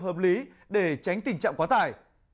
hợp lý để tránh tình trạng quá tải